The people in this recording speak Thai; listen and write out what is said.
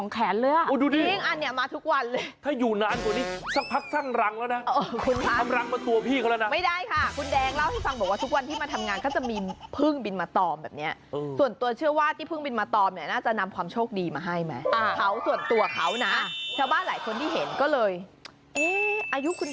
แค่มาตอมเพิ่งมาตอมเต็มด้วยอย่างนี้ทั้งสองแขนเลยอ่ะ